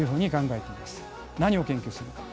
何を研究するか。